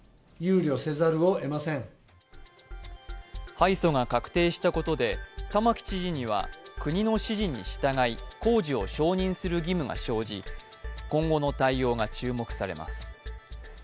敗訴が確定したことで玉城知事には、国の指示に従い工事を承認する義務が生じ、今後の対応が注目されます。